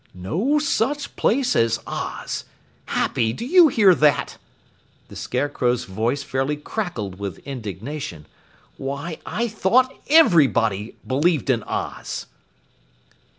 "No such place as Oz Happy, do you hear that?" The Scarecrow's voice fairly crackled with indignation. "Why, I thought everybody believed in Oz!"